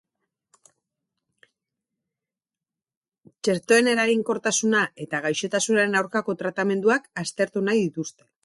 Txertoen eraginkortasuna eta gaixotasunaren aurkako tratamenduak aztertu nahi dituzte.